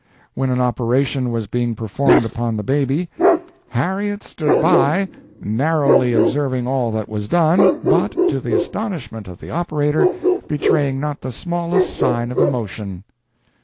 When an operation was being performed upon the baby, "Harriet stood by, narrowly observing all that was done, but, to the astonishment of the operator, betraying not the smallest sign of emotion."